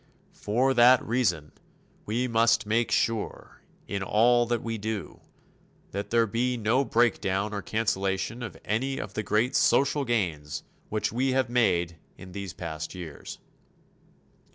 For that reason, we must make sure, in all that we do, that there be no breakdown or cancellation of any of the great social gains which we have made in these past years.